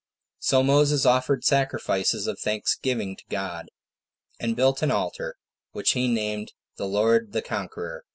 So Moses offered sacrifices of thanksgiving to God, and built an altar, which he named The Lord the Conqueror.